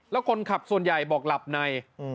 แล้วคนขับส่วนใหญ่บอกหลับใน